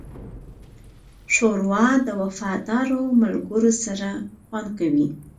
ښوروا د وفادار ملګرو سره خوند کوي.